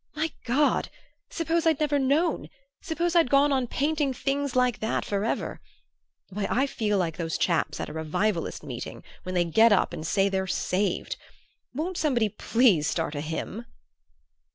"My God! Suppose I'd never known! Suppose I'd gone on painting things like that forever! Why, I feel like those chaps at revivalist meetings when they get up and say they're saved! Won't somebody please start a hymn?"